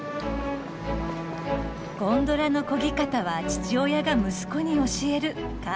ゴンドラのこぎ方は父親が息子に教えるか。